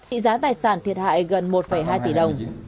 trị giá tài sản thiệt hại gần một hai tỷ đồng